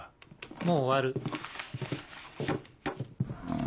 もう終わる。